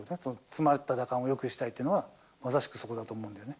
詰まった打感をよくしたいというのは、まさしくそこだと思うのね。